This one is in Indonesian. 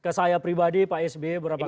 ke saya pribadi pak sbe beberapa kali